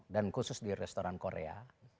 dan khusus di restoran korea